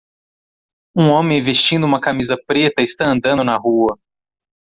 Um homem vestindo uma camisa preta está andando na rua.